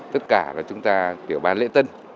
tất cả là chúng ta tiểu ban lễ tân